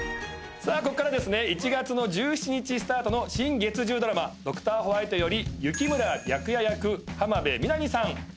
さあこっから１月の１７日スタートの新月１０ドラマ『ドクターホワイト』より雪村白夜役浜辺美波さん。